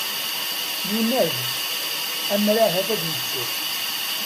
Yunag, ammer ahat ad yettu.